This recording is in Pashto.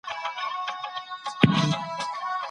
زه خوشحاله یم.